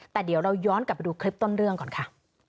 แต่เดี๋ยวเราย้อนกลับไปดูคลิปต้นเรื่องก่อนค่ะ